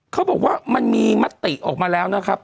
เขาบอกว่ามันมีมติออกมาแล้วนะครับ